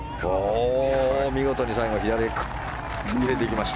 見事に最後左へ切れていきました。